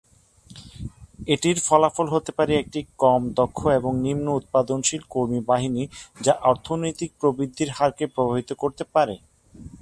এটির ফলাফল হতে পারে একটি কম-দক্ষ এবং নিম্ন উৎপাদনশীল কর্মী বাহিনী যা অর্থনৈতিক প্রবৃদ্ধির হারকে প্রভাবিত করতে পারে।